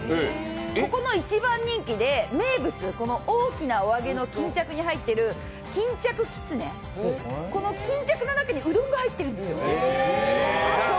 ここの一番人気で名物、この大きなお揚げの巾着に入っている巾着きつね、この巾着の中にうどんが入ってるんですよ。